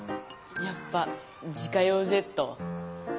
やっぱ自家用ジェット？